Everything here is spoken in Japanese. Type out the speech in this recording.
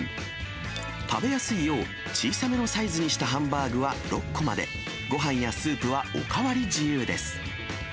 食べやすいよう、小さめのサイズにしたハンバーグは６個まで、ごはんやスープはお代わり自由です。